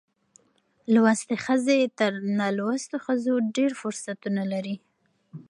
لوستې ښځې تر نالوستو ښځو ډېر فرصتونه لري.